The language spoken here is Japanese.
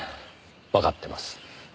わかってます。